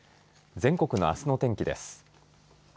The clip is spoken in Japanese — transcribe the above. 全国のあすの天気です。